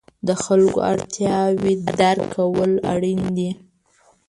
د خلکو اړتیاوې درک کول اړین دي.